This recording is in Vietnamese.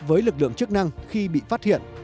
với lực lượng chức năng khi bị phát hiện